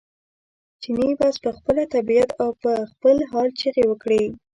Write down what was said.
چیني بس په خپله طبعیت او په خپل حال چغې وکړې.